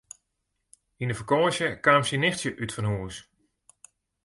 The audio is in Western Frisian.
Yn de fakânsje kaam syn nichtsje útfanhûs.